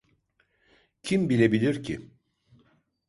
Kim bilebilir ki?